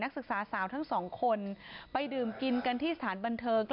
ศึกษาสาวทั้งสองคนไปดื่มกินกันที่สถานบันเทิง